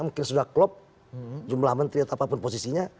mungkin sudah klop jumlah menteri atau apapun posisinya